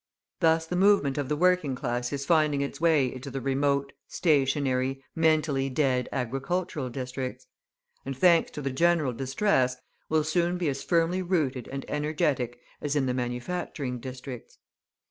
Thus the movement of the working class is finding its way into the remote, stationary, mentally dead agricultural districts; and, thanks to the general distress, will soon be as firmly rooted and energetic as in the manufacturing districts.